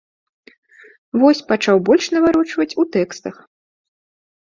Вось пачаў больш наварочваць у тэкстах.